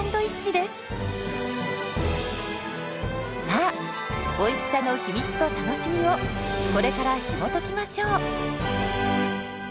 さあおいしさの秘密と楽しみをこれからひもときましょう！